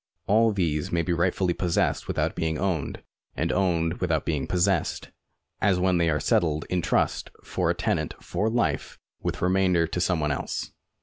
All these may be rightfully possessed without being owned, and owned without being possessed, as when they are settled in trust for a tenant for life with remainder to some one else.